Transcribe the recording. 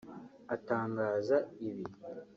Atangaza ibi